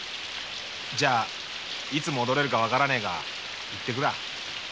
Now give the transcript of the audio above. じゃいつ戻れるかわからねえが行ってくらあ。